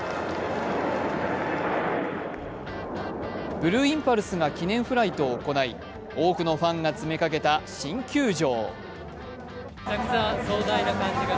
ブルーインパルスが記念フライトを行い、多くのファンが詰めかけた新球場。